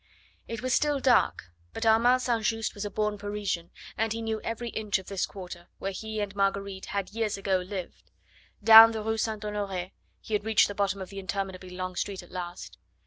It was still dark, but Armand St. Just was a born Parisian, and he knew every inch of this quarter, where he and Marguerite had years ago lived. Down the Rue St. Honore, he had reached the bottom of the interminably long street at last.